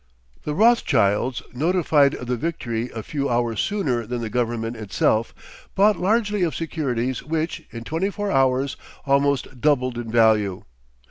The Rothschilds, notified of the victory a few hours sooner than the government itself, bought largely of securities which, in twenty four hours, almost doubled in value.